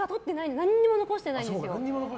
何にも残してないんですよ。